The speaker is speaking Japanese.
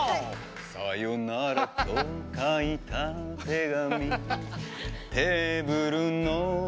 「さよならと書いた手紙テーブルの上に置いたよ」